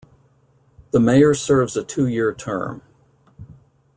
The mayor serves a two-year term.